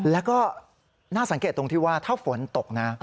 แล้วก็น่าสังเกตตรงที่ว่าถ้าฝนตกนะ